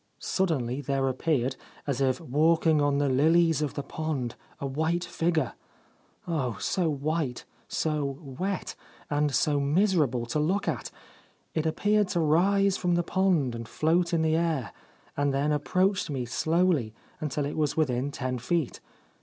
Suddenly there appeared, as if walking on the lilies of the pond, a white figure. Oh, so white, so wet, and so miser able to look at ! It appeared to arise from the pond and float in the air, and then approached me slowly until it was within ten feet.